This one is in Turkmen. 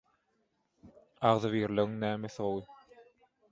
Agzybirligiň nämesi gowy?